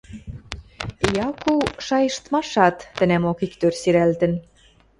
«Яку» шайыштмашат тӹнӓмок иктӧр сирӓлтӹн.